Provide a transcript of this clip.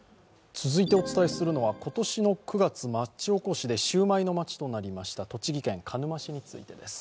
続いてお伝えするのは今年の９月町おこしでシューマイの街となりました栃木県鹿沼市についてです。